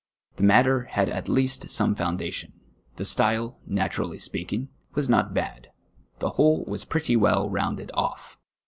The matter had at least some fomidation, the style, natm aUy speaking, was not bad, the whole was pretty well rounded off.